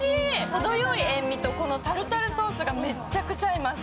程よい塩みとタルタルソースがめっちゃ合います。